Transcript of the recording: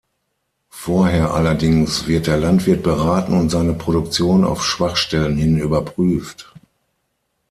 Vorher allerdings wird der Landwirt beraten und seine Produktion auf Schwachstellen hin überprüft.